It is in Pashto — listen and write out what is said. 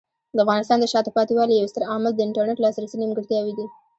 د افغانستان د شاته پاتې والي یو ستر عامل د انټرنیټ لاسرسي نیمګړتیاوې دي.